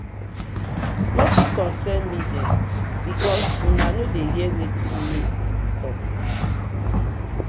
Notin concern mi there because una no dey hear wetin me I dey tok.